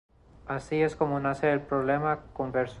Así es como nace el "problema converso".